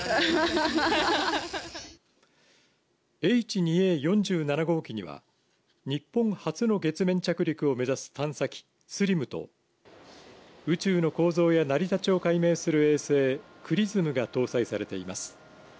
Ｈ２Ａ・４７号機には日本初の月面着陸を目指す探査機ＳＬＩＭと宇宙の構造や成り立ちを解明する衛星、ＸＲＩＳＭが搭載されています。